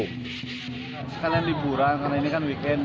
sekalian liburan karena ini kan weekend